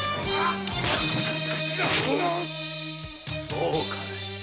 そうかい！